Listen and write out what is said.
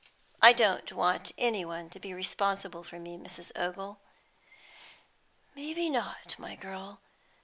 "I don't want any one to be responsible for me, Mrs. Ogle." "Maybe not, my girl.